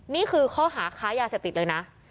นี่คือข้อหาค้ายาเสพติดเลยนะ